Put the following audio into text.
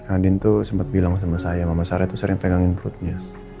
adin itu sempat bilang sama saya mama sarah itu sering pegangin perutnya